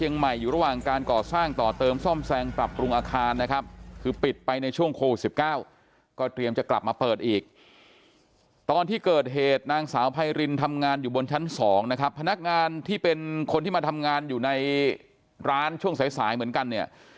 นางสาวไพรินทำงานอยู่บนชั้นสองนะครับพนักงานที่เป็นคนที่มาทำงานอยู่ในร้านช่วงสายสายเหมือนกันเนี่ย